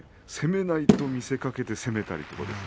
攻めると見せかけて攻めない。